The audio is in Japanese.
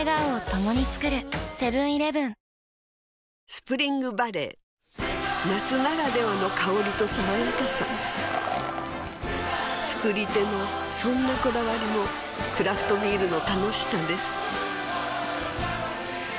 スプリングバレー夏ならではの香りと爽やかさ造り手のそんなこだわりもクラフトビールの楽しさです